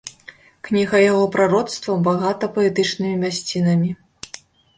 Кніга яго прароцтваў багата паэтычнымі мясцінамі.